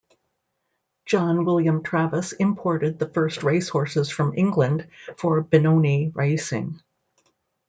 John William Travis imported the first race horses from England for Benoni racing.